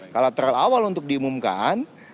kalau terawal untuk diumumkan